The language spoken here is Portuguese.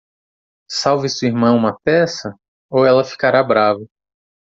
Salve sua irmã uma peça? ou ela ficará brava.